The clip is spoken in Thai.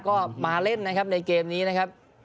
ก็มาเล่นในเกมนี้นะครับ